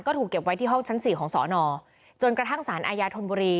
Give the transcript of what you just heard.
ก็ถูกเก็บไว้ที่ห้องชั้น๔ของสอนอจนกระทั่งสารอาญาธนบุรี